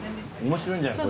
面白いんじゃない？